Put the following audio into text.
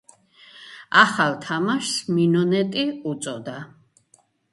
ახალ თამაშს „მინონეტი“ უწოდა.